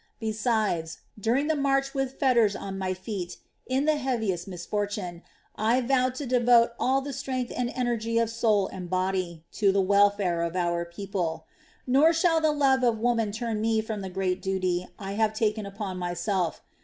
Besides, during the march with fetters on my feet, in the heaviest misfortune, I vowed to devote all the strength and energy of soul and body to the welfare of our people. Nor shall the love of woman turn me from the great duty I have taken upon myself.